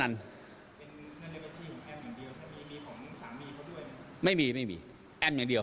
เป็นเงินในบัญชีของแอมอย่างเดียว